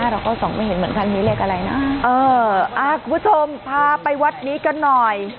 เราก็ส่องไม่เห็นเหมือนกันมีเลขอะไรนะเอออ่าคุณผู้ชมพาไปวัดนี้กันหน่อย